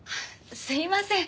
すいません。